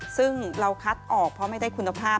ซึ่งเราคัดออกเพราะไม่ได้คุณภาพ